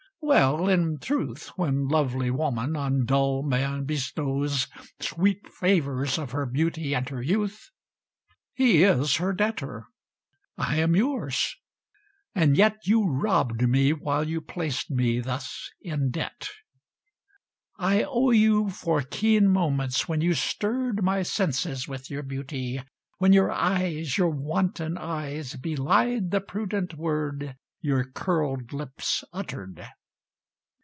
Well, in truth, When lovely woman on dull man bestows Sweet favours of her beauty and her youth, He is her debtor. I am yours: and yet You robbed me while you placed me thus in debt. I owe you for keen moments when you stirred My senses with your beauty, when your eyes (Your wanton eyes) belied the prudent word Your curled lips uttered.